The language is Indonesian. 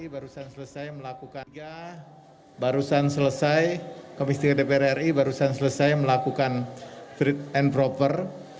barusan selesai komisi tiga dpr ri barusan selesai melakukan free and proper